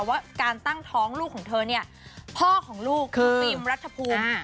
ว่าการตั้งท้องลูกของเธอเนี้ยพ่อของลูกคือหนุ่มฟิมรัฐภพรุมอ่า